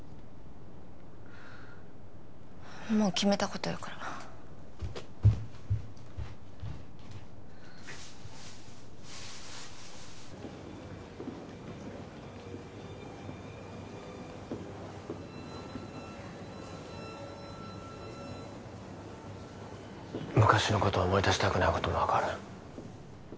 もう決めたことやから昔のこと思い出したくないことも分かる